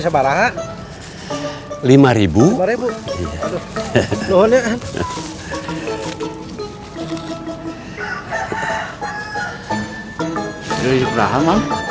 bang bias jadi sebarang